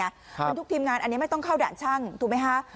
มันทุกทีมงานอันนี้ไม่ต้องเข้าด่านช่างถูกไหมคะ